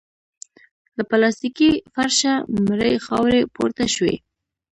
له پلاستيکي فرشه مړې خاورې پورته شوې.